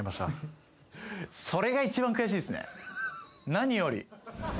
何より。